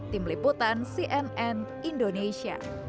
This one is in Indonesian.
tim liputan cnn indonesia